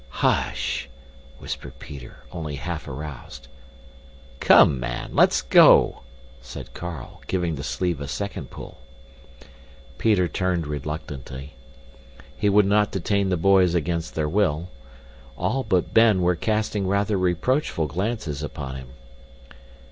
"Hush!" whispered Peter, only half aroused. "Come, man! Let's go," said Carl, giving the sleeve a second pull. Peter turned reluctantly. He would not detain the boys against their will. All but Ben were casting rather reproachful glances upon him.